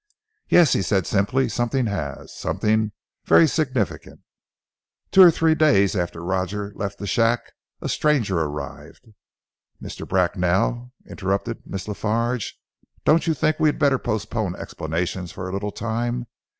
"Yes!" he said simply. "Something has something very significant. Two or three days after Roger left the shack a stranger arrived " "Mr. Bracknell," interrupted Miss La Farge, "don't you think we had better postpone explanations for a little time?